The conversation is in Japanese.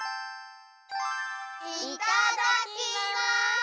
いただきます！